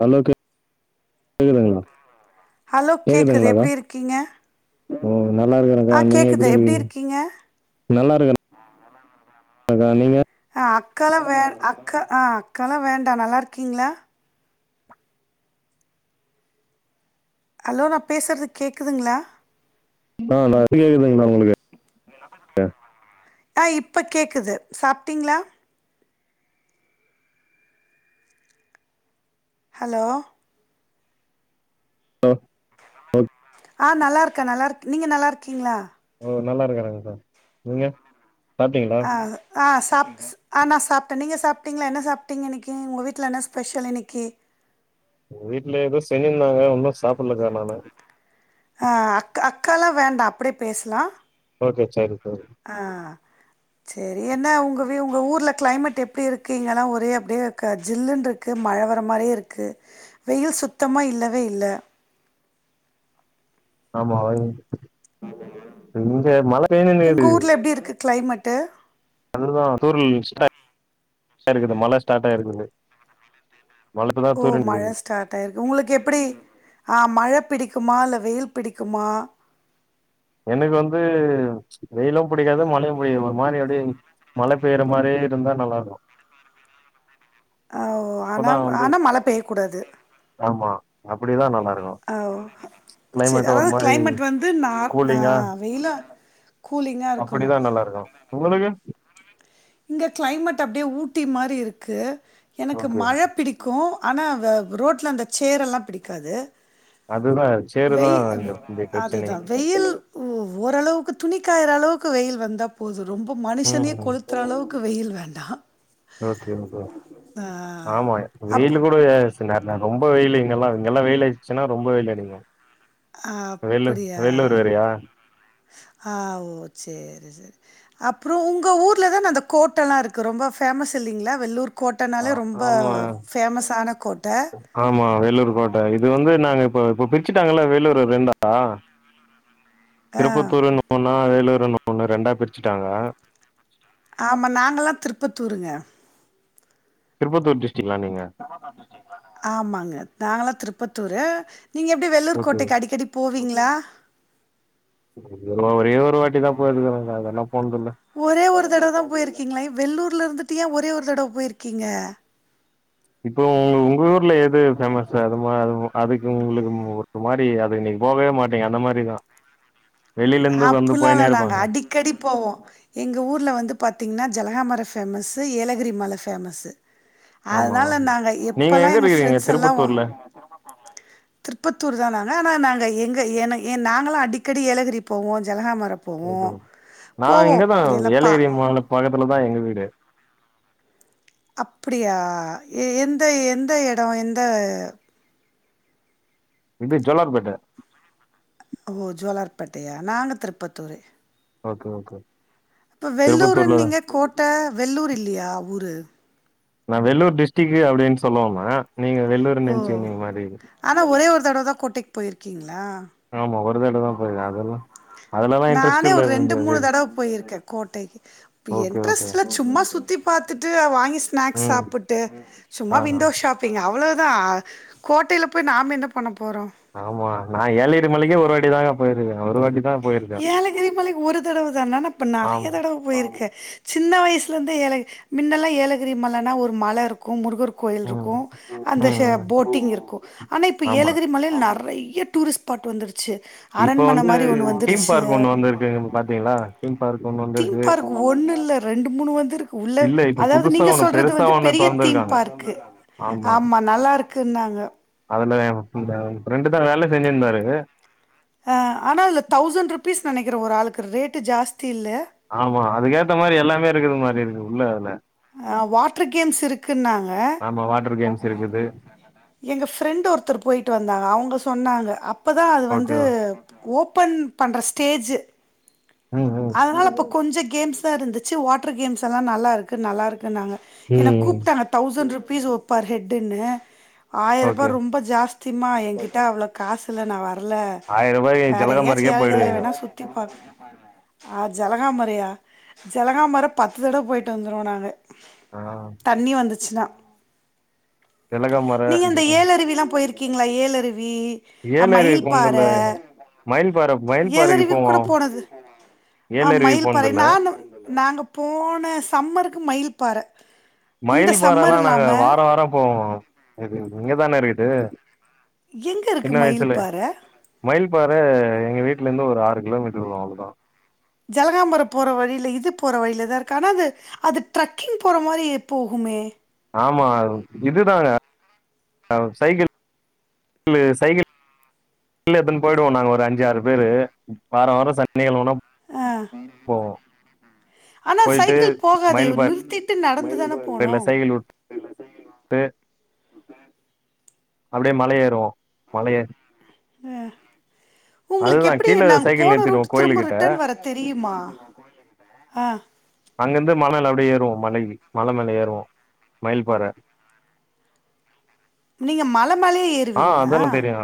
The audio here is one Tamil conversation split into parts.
ஹலோ கே ஹலோ கேக்குது கேக்குதுங்களாக்கா எப்டி இருக்கீங்க ஓ நல்லா இருக்கிறேக்கா ஆஹ் நீங்க கேக்குது எப்படி எப்டி இருக்கீங்க அதா நீங்க அக்கால வேண் அக்கா ஆஹ் அக்கால்லா வேண்டா நல்லா இருக்கீங்களா ஹலோ நா பேசுறது கேக்குதுங்களா ஆஹ் நா இப்போ கேக்குதுங்களா உங்களுக்கு அ ஆ இப்ப கேக்குது சாப்டீங்களா ஹலோ ஓ ஆஹ் நல்லா இருக்கே நல்லா இருக் நீங்க நல்லாருக்கீங்களா நல்லா இருக்குரேங்கா நீங்க சாப்பிட்டீங்களா அஹ் ஆஸ் டாப்ஸ்கு ஆ நா சாப்டே நீங்க சாப்டீங்களா என்ன சாப்டீங்க இன்னைக்கி உங்க வீட்ல என்ன ஸ்பெஷல் இன்னைக்கி வீட்ல எதோ செஞ்சிருந்தாங்க வுன்னு சாப்டலக்கா நானு அஹ் அ அக் அக்கால்லா வேண்டா அப்டியே பேசலா ஓகே சேரிப்பா அஹ் சேரி என்ன உங்க வீ உங்க ஊர்ல கெளைமேட் எப்டி இருக்கு இங்கெல்லா ஒரே அப்டியே க ஜில்லுனுருக்கு மழ வர மாரியே இருக்கு வெயில் சுத்தமா இல்லவே இல்ல [inaudible] ஆமா வை இங்க மழ பேஞ்சினுக்குது கெளைமெட்டு அதுதா தூறல் ஸ்டார்ட் டா இருக்குது மழ ஸ்டார்ட் ஆ இருக்குது ஓ மழ ஸ்டார்ட் ஆயிருக்கு உங்களுக்கு எப்டி ஆ மழ பிடிக்குமா இல்ல வெயில் பிடிக்குமா எனக்கு வந்து வெயிலு புடிக்காது மழயு புடிக்காதுமா ஒரு மாரி அப்டியே மழ பெய்ற மாரியே இருந்தா நல்லா இருக்கு ஆ ஓ ஆனா ஆனா மழ பெய்ய கூடாது அப்டிதா நல்லார் ஆ ஓ செரி அதாவது மாரி கெளைமேட் வந்து நார் ஆஹ் வெயில அப்டிதா நல்லா இருக்கு உங்களுக்கு இங்க கெளைமேட் அப்டியே ஊட்டி மாரி இருக்கு எனக்கு ஓகே மழ பிடிக்கு ஆனா வ ரோட்ல அந்த சேறேல்லா பிடிக்காது அதுதா சேருதா வெய் இந்த இந்த அதுதா பிரச்சனையே வெயில் ஓ ஓரளவுக்கு துணிக்காயற அளவுக் கு வெயில் வந்தா போது ரொம்ப மனுஷனே ம் கொளுத்துற அளவுக்கு வெயில் வேண்டா ஓகே ஓகே ஆமா அப் வெயிலு ஆமாங்க. கூட சில நேர ரொம்ப ரொம்ப வெயிலுங்கல்லா இங்கல்லா வெயிலு ஆயிடுச்சுன்னா ரொம்ப வெயிலடிக்கு அ அப்பிடியா ஆ ஓ சேரி சேரி அப்புறோ உங்க ஊர்ல தான அந்த கோட்டேல்லா இருக்கு ரொம்ப பேமஸ் இல்லைங்ளா வெள்ளூர் ஆ கோட்டைனாலே ரொம்ப ஆமாங்க ஃபேமஸான கோட்டை. ஆமா வேலூர் கோட்ட இது வந்து நாங்க இப்ப இப்ப பிரிச்சிட்டாங்கள வேலூர ரெண்டா ஆ. திருப்பத்தூர் [inaudible] ஒன் அ வேலூர [inaudible] ஒண்ணு ரெண்டா பிரிச்சுட்டாங்க ஆமா நாங்கல்லா திருப்பத்தூருங்க திருபாத்தூர் டிஸ்ட் ஆமாங்க நாங்களா திருப்பத்தூரு நீங்க எப்பிடி வெள்ளூர் ஓகே கோட்டைக்கி அடிக்கடி போவீங்ளா ஒரே ஒரு வாட்டி தா போயிருகெங்க அதெல்லா போனதல்ல ஒரே ஒரு தடவ தா போயிருக்கீங்களா ஏ வெள்ளூர்லருந்துட்டு ஏ ஒரே ஒரு தடவ போயிருக்கீங்க இப்போ உ உங்க ஊர்ல எது பேமஸு அதுமா அதுக்கு உங்களுக்கு ஓர் ஒரு மாரி அது இன்னிக்கி போவே மாட்டீங்க அந்த மாரிதா வெளில இருந்து வந்து அப்பல்லா இல்ல போயினே நாங்க இருப்பாங்க அடிக்கடி போவோ எங்க ஊர்ல வந்து பாத்தீங்ன்னா ஜலகாமர ஃபேமஸ்ஸு ஏலகிரி மல ஃபேமஸ்ஸு ஆமா அதனால நாங்க நீங்க எப்பல்லா எங்க இருக்கிறீங்க ஃப்ரெண்ட்ஸெல்லா திருப்பத்தூர்ல திருப்பத்தூர் தா நாங்க ஆனா நாங்க எங்க ஏ ஏ நாங்களா அடிக்கடி ஏலகிரி போவோ ஜலகாமரம் ஓ ஹோ நா இங்கதா எல்லா பா ஏலகிரி மல பக்கத்துல தா எங்க வீடு அப்பிடியா எ எந்த எந்த எடோ எந்த என்து ஜோலார்பேட்ட ஓ ஜோலார்பேட்டையா நாங்க திருப்பத்தூரு ஓகே ஓகே அப்ப திருப்பத்தூர்லதா வெள்ளூர்னிங்க கோட்ட வெள்ளூரில்லையா ஊரு நான் வெள்ளூர் டிஸ்ட்ரிக்கு அப்டின்னு சொல்ல வந்த ஓ ஆனா ஒரே ஒரு தடவ தா கோட்டைக் போயிருக்கீங் ஆமா ஒரு தடவ தா போயிருக்கே அதெல்லா அதுலலா இன்ட்ரெஸ்ட் நானே இல்ல ஒரு இந்த ரெண்டு இது மூணு தடவ போயிருக்கே கோட்டைக்கி இப்ப ஓகே ஓகே என்ட்ரெஸ்ட்ல சும்மா சுத்தி பாத்துட்டு வாங்கி ஸ்நாக்ஸ் ம் சாப்புட்டு சும்மா ஆ விண்டோ ஷாப்பிங் அவ்ளோ தா கோட்டையில போய் நாமென்ன பண்ணப் ஆமா நா ஏலகிரி மலைக்கே ஒரு வாட்டிதாங்க போயிருக்கே ஒரு வாட்டி தா போயிருக்கே ஏலகிரி மலைக்கி ஒரு தடவு தானா நா இப்ப நறைய ஆமா. தடவ போயிருக்கே சின்ன வயசுலந்தே ஏலக் மின்னெல்லா ஏலகிரி மலன்னா ஒரு மலருக்கு முருகரு ம். கோயில்ருக்கு அந்த ம், ஷே ம். போட்டிங் இருக்கு ஆனா இப்ப ஆமா. ஏலகிரி மலேல் நறை யா டூரிஸ்ட்பாட் வந்துருச்சு இப்ப அரண்மன வந்து மாரி ஒன்னு வந்துரு தீம் ச்சி பார்க் ஒண்ணு வந்திருக்குங்க பாத்தீங்களா? தீம் பார்க் ஒண்ணு தீம் வந்திருக்கு. பார்க் ஒண்ணுல்ல ரெண்டு மூணு வந்துருக்கு உள்ள இல்ல இப்ப அதாவது புதுசா நீங்க ஒண்ணு சொல்றது பெருசா வந்து ஒண்ணு பெரிய தீம் தொறந்திருக்காங்க. பார்க்கு ஆமா நல்லாருக் கு நாங்க அதுல ஏ ஃப்ரெண்டு தா வேல செஞ்சிருந்தாரு அ ஆனா அதுல தௌசண்ட் ருபீஸ் நெனைக்கிறே ஒரு ஆளுக்கு ரேட்டு ஜாஸ் ஆமா அதுக்கேத்த மாரி எல்லாமே இருக்குது மாரி இருக்கு உள்ள அதுல ஆ வாட்டர் கேம்ஸ் இருக்குன்னாங்க ஆமா வாட்டர் கேம்ஸ் இருக்குது. எங்க ஃப்ரெண்ட்டு ஒருத்தர் போயிட்டு வந்தாங்க அவுங்க சொன்னாங்க இப்ப தா அது வந்து ஓகே. ஓப்பன் பண்ற ஸ்டேஜு ம், ம். அதனால இப்ப கொஞ்சோ கேம்ஸ் தா இருந்துச்சு வாட்டர் கேம்ஸெல்லா நல்லாருக்கு நல்லாருக் குன்னாங்க என்ன ம். கூப்ட்டாங்க தௌசண்ட்ருபீஸ் பர் ஹெட்டுன்னு ஆயிரூபா ஓகே. ரொம்ப ஜாஸ்திமா எங்கிட்ட அவ்ளோ காசுல்ல நா வ இல்ல ரூ. வேற ஜலக எங்கயாச்சு மாரிக்கே ஏலகிரியில போயிடுவீங்க. வேணா சுத்திப் பாக் ஆ ஜலகாமரையா ஜலகாமர பத்து தடவ போயிட்டு வந்துருவோ நாங்க ஆ. தண்ணி வந்துச்சுனா ஜலகமர, நீங்க ஜ இந்த ஏழுருவி எல்லா போயிருக்கீங்களா ஏழுருவி ஏலருவி மயில் பார போனதில்ல. மயில் பாற மயில் ஏழ் பாறைக்கு அருவி கூட போவோம். போனது ஆ ஏலருவி மயில் பாறை போனதில்ல. நான் நாங்க போன சம்மருக்கு மயில் பாற இந்த மயில் பார சம்மர் எல்லா நாங்க இல்லாம வாரம் வாரம் போவோ இங்கதான இருக்குது எங்க இருக்கு மயில் பாற மயில்பற எங்க வீட்ல இருந்து ஒரு ஆறு கிலோமீட்டர் வரும் அவளோ தா ஜலகாம்பரம் போற வழியில இது போற வழியிலதா இருக்கு ஆனா அது அது ட்ரக்கிங் போற மாரி போகுமே ஆமா இதுதாங்க சைக்கிள் கிள்ளு சைக்கிள் எடுதுன்னு போயிடுவோ நாங்க ஒரு அஞ்சு ஆறு பேரு வாரம் வாரம் சன்னிகழமனா ஆ போ ஆனா போயிட்டு சைக்கிள் போகாதே மயில் பார நிறுத்திட்டு நடந்து தான போனு சைக்கிள் உட்டு அப்படியே மல ஏறுவோ மல எறி ஆ உங்களுக்கு எப்படி கீழ நாங்க சைக்கிள் போன நிறுத்திடுவோ ரூட் கோயிலு திரும்ப கிட்ட ரிட்டன் வர தெரியுமா ஆ அங்க இருந்து மல மேல அப்படியே ஏறுவோ மலைக்கி மேல ஏறுவோ மயில் பார நீங்க மல மேலயே ஆ ஏறுவீங்களா அதெல்லா தெரியு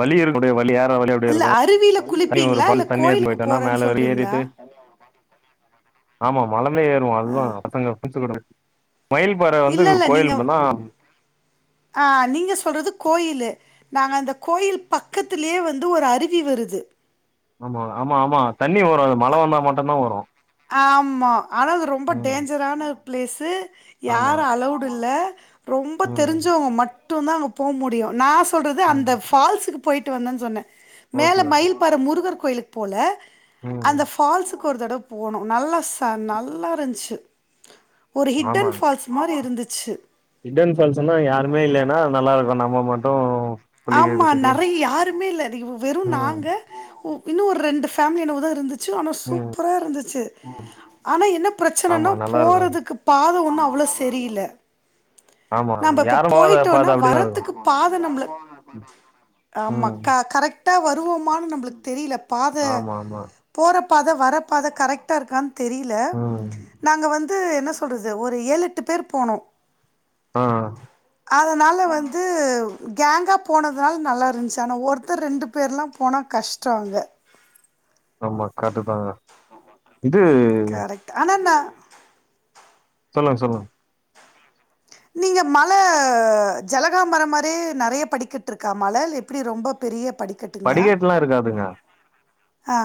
வழி இருக்கூடிய வழி அப் அல்ல அருவியில குளிப்பீங்களா இல்ல தண்ணி எடுத்துன்னு கோயிலுக்கு போயிட்டோனா போறன்னு மேல வரையு சொல்றீங்களா ஏறிட்டு [inaudible] ஆமா மலமே ஏறுவோ அதுதா பசங்க ஃப்ரெண்ட்ஸ்கூட மயில் பார வந்து இல்ல இல்ல கோயில் நீங்க உள்ளனா ஆ நீங்க சொல்றது கோயிலு நாங்க அந்த கோயில் பக்கத்துலயே வந்து ஒரு அருவி வருது ஆமா ஆமா ஆமா தண்ணி வரு அது மழ வந்தா மட்டம்தா வரும் ஆமா ஆனா அது ரொம்ப டேஞ்சரான பிளேஸு ஆமா யாரு அலவுடு் இல்ல ரொம்ப ம் தெரிஞ்சவங்க மட்டு தா அங்க போ முடியு நா சொல்றது ம் அந்த ஃபால்ஸுக்கு போயிட்டு வந்த சொன்ன ஓகே மேல ஓகே மயில் பார முருகர் கோயிலுக்கு போல ம் அந்த ஃபால்ஸுக்கு ஒரு தடவ போனோ நல்லா ச நல்லா இருந்துச்சு ஒரு ஹிட்டன் ஃபால்ஸ் மாதிரி இருந்துச்சு ஹிட்டன் ஃபால்ஸ்ன்னா யாருமே இல்லன்னா நல்லா இருக்கு நம்ம மட்டு ஆமா குளிக்கிறதுக்கு நிறைய யாருமே இல்ல இ வெறு ம் நாங்க இன்னு ஒரு ரெண்டு ஃபேமலி என்னமோதா இருந்துச்சு ஆனா ம் சூப்பரா இருந்துச்சு ஆனா என்ன ஆமா பிரச்சனன்னா நல்லா இருக்கு போறதுக்கு பாத ஒன்னு அவ்வளோ சரியில்ல ஆமா நாம இப்ப யாரும் போகாத பாதை போயிட்டோம்னா அப்டிதா இருக்கு வரத்துக்கு பாத நம்ல ஆமா ம் கர கரெக்ட் டா வருவோமான்னு நம்மளுக்கு தெரியல பாத ஆமா ஆமா போற பாத வர பாத கரெக்ட்டா இருக்கான் தெரியல ம் நாங்க வந்து என்ன சொல்றது ஒரு ஏழு எட்டு பேர் போனோ ஆ அதனால வந்து கேங்கா போனதுனால நல்லா இருந்துச்சு ஆனா ஒருத்தர் ரெண்டு பேர்லா போனா கஷ்டோ அங்க ஆமா கரெட்டு தாங்க ஆமா கரெக்ட் தாங்க கரெக்ட் ஆனா நா சொல்லுங்க சொல்லுங் நீங்க மல ஜலகாம்பரம் மாதிரி நிறைய படிக்கட்டு இருக்கா மல எப்படி ரொம்ப பெரிய படிக்கட்டுங்களா படிக்கட்டு எல்லா இருக்காதுங்க ஆ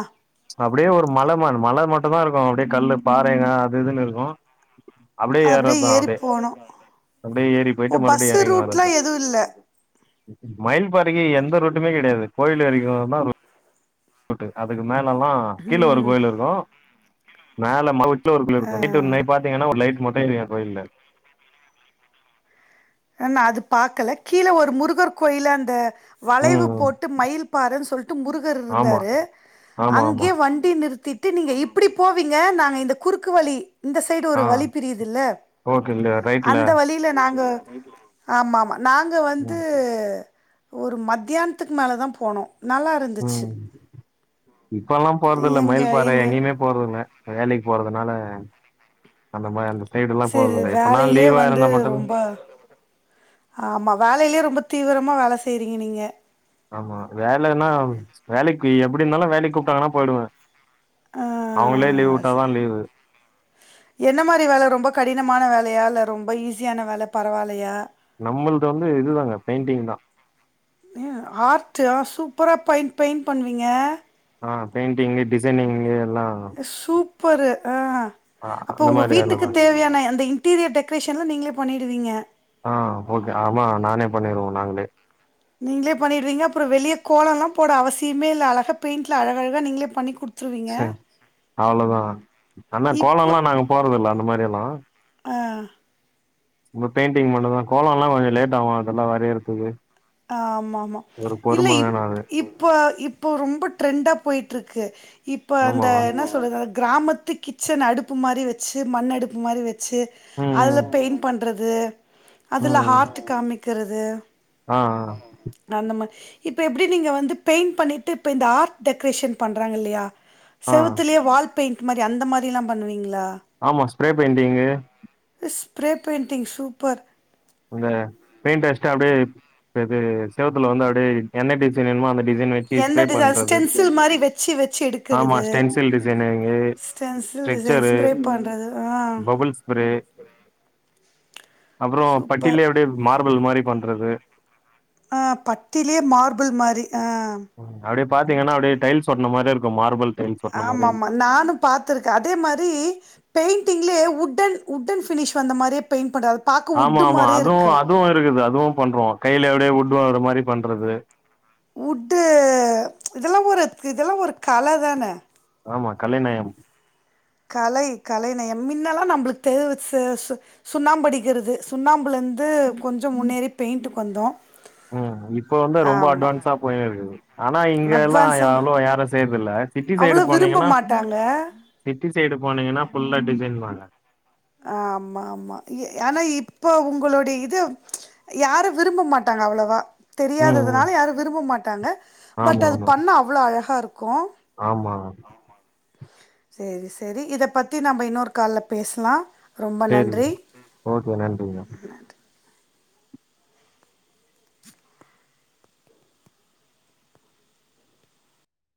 அப்டியே ஒரு மலமான் மல மட்டுந்தா இருக்கு அப்டியே கல்லு பாறைங்க அது இதுன்னு இருக்கு அப்டியே ஏறதுதா ஏறி அப்டே போனு அப்டியே ஏறி போயிட்டு ஓ மறுபடியு பஸ்ஸு எறங்கி ரூட்லா வர்ரதுதா எதுவு இல்ல மயில் பாறைக்கு எந்த ரூட்டுமே கெடையாது கோயில் வரைக்கும்தா [inaudible] ரூட்டு அதுக்கு மேல லல்லா கீழ ம் ஒரு கோயில் இருக்கு மேல மல உச் சுல ஒரு [unintelligible] இருக்கு ஆ நைட் நைட் பாத்தீங்கன்னா ஒரு லைட் மட்டு எரியு அ கோயில்ல அ நா அது பாக்கல கீழ ஒரு முருகர் கோயில் அந்த ம் வளைவு ம் போட்டு மயில் பாறன் சொல் ட்டு முருகர் ஆமா இருந்தாரு ஆமா ஆமா அங்கே வண்டி நிறுத்திட் தி நீங்க இப்டி போவீங்க நாங்க இந்த குறுக்கு வழி இந்த சைடு ஒரு ஆ வழி பிரியுதுல்ல ஓகே இல்ல ரைட்ல அந்த வழியில நாங்க ஆமாமா நாங்க வந்து ம் ஒரு மத்தியானத்துக்கு மேலதா போனோ நல்லாருந்துச்சு ம் இப்பல்லா போறதுல்ல மயில் பாற எங்க எங்கயுமே போறதுல்ல வேலைக் போறதுனால அந்த மா அந்த சைடுல்லா செர் போறதில்ல எப்பனா வேலையிலே லீவா வந்து இருந்தா மட்டுந் ரொம்ப ஆமா வேலையிலே ரொம்ப தீவிரமா வேல செய்றீங்க நீங்க ஆமா வேலன்னா வேலைக்கு எப்படினாலு வேலைக்கு கூப்ட்டாங்கன்னா போயிடுவே அவங்களே லீவ் ஆ வுட்டாதா ச லீவு என்ன மாரி வேல ரொம்ப கடினமான வேலயா இல்ல ரொம்ப ஈஸியான வேல பரவாலயா நம்மள்து வந்து இதுதாங்க பெயிண்டிங்தா எ ஆர்ட் ஆ சூப்பரா பைன் பெயிண்ட் பண்ணுவீங்க. ஆ பெய்ண்டிங் டிசைனிங் சூப்பரு ஆ ஆ அப்போ அந்த ஒங்க மாரி வீட்டுக்கு வேலதா தேவையான அந்த இன்டீரியர் டெக்கரேஷன்லா நீங்களே பண்ணிடுவீங்க. ஆ ஓகே ஆமா நானே பண்ணிருவோ நாங்களே நீங்களே பண்ணிடுறீங்க அப்பறொ வெளிய கோலோல்லா போட அவசியமே இல்ல அழகா பெயிண்ட்ல அழகழகா நீங்களே பண்ணி குடுத் சர் அவ்ளோதா ஆனா இப்போ கோலோல்லா நாங்க போட்ரது இல்ல அந்த மாரியெல்லா அ ம்ப பெயிண்டிங் மட்டுந்தா கோலோல்லா கொஞ்ச லேட் ஆகு அதெல்லா வரையறத்துக்கு ஆமாமா இல்ல இப் அது இப்பொ இப்போ ரொம்ப ட்ரெண்டா போயிட்டுருக்கு இப்ப அந்த ஆமாவா என்ன சொல்றது கிராமத்து கிச்சன் அடுப்பு மாரி வச்சு மண் அடுப்பு மாரி வச்சு அதுல ம் ம் பெயிண்ட் பண் றது அதுல ம் ஹார்ட் காமிக்கறது ஆ அந்த மா இப்ப எப்படி நீங்க வந்து பெயிண்ட் பண்ணிட்டு இப்போ இந்த ஆர்ட் டெக்கரேஷன் பண்றாங்க இல்லயா ஆ ஆ செவுத்துலேயே வால் பெயிண்ட் மாரி அந்த மாரில்லா பண்ணுவீங்ளா ஆமா spray painting spray painting super ந்த பெயிண்ட் அடுச்சுட்டு அப்டியே இதெது செவத்துல வந்து அப்டியே என்ன டிசைன் வேணுமோ அந்த டிசைன் வச்சு எந்த ஸ்ப்ரே டிச பண்றது ஸ்டென்சில் மாரி வெச்சு வெச்சு ஆமா எடுக்கறது stencil designing stencil design structure spray பண்றது ஆ பபுள் ஸ்ப்ரே அப்றோ சூப்பர் பட்டிலே அப்டியே மார்பல் மாரி பண்றது ஆ பட்டிலேயே மார்பிள் மாரி ஆஹ் அப்டியே பாத்தீங்கன்னா அப்டியே டைல்ஸ் ஒட்ன மாரி இருக்கு மார்பள் ஆமாமா நானும் பாத்துருக்க அதே மாரி பெயிண்டிங்லே உட்டன் உட்டன் பினிஷ் வந்த மாரியே பெய்ண் பண்ற ஆமா ஆமா அதுவு அதுவு இருக்குது அதுவும் பண்றோ கைல அப்டியே வுட் டு வாங்ற மாரி பண்றது உட்டு இதெல்லா ஒரு கிதெல்லா ஒரு கலதானே ஆமா கலைநயம் கலை கலை நயம் மின்னலா நம்மளுக்கு தெ ச ச சுண்ணாம்படிக்கறது சுண்ணாம்புல இருந் து கொஞ்ச முன்னேறி பெயிண்ட்டுக் வந்தோ ம் இப்ப வந்து ரொம்ப ஆமா அட்வான்ஸா போய்னே இருக்குது ஆனா இங்க எல்லா அட்வான்ஸா அவ்ளோ யாரு செய்றதில்ல சிட்டி சைடு அவ்ளோ விரும்ப போனீங்கன்னா மாட்டாங்க சிட்டி சைடு போனிங்கனா ஃபுல்லா டிசைன் தாங்க ஆ ஆமா ஆமா ஆனா இப்ப உங்களுடைய இது யாரு விரும்ப மாட்டாங் அவ்ளவா ம் ம் தெரியாததுனால யாரு விரும்ப மாட்டாங்க பட் ஆமா அது ஆமா பண்ணா அவ்ள அழகா இருக் ஆமா செரி செரி இத பத்தி நம்ப இன்னொரு கால்ல பேசலா சேரிங் ஓகே நன்றிங்க